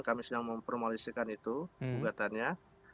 kami sedang mempromolisikan itu gugatannya